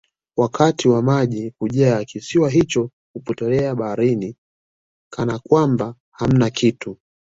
wakati wa maji kujaa kisiwa hicho hupotelea baharini Kana kwamba hamna kitu